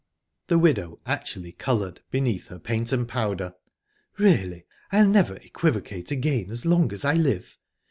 The widow actually coloured, beneath her paint and powder. "Really, I'll never equivocate again as long as I live!